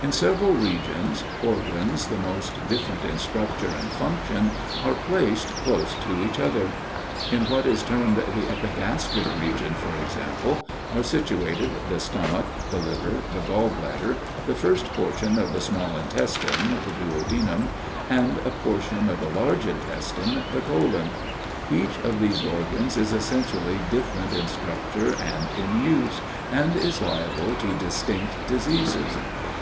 In several regions, organs the most different in structure and function are placed close to each other. In what is termed the epigastric region, for example, are situated the stomach, the liver, the gall bladder, the first portion of the small intestine, (the duodenum) and a portion of the large intestine (the colon); each of these organs is essentially different in structure and in use, and is liable to distinct diseases.